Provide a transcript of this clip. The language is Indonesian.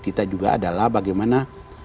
kita juga adalah bagaimana